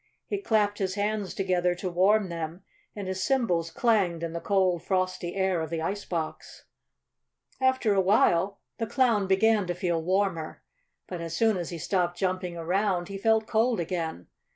He clapped his hands together to warm them, and his cymbals clanged in the cold, frosty air of the ice box. After a while the Clown began to feel warmer. But as soon as he stopped jumping around he felt cold again.